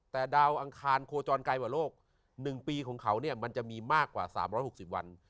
แต่ดาวอังคารโคจรไกลกว่าโลก๑ปีของเขาเนี่ยมันจะมีมากกว่า๓๖๐วัน